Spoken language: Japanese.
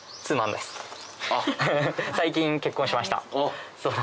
最近結婚しました。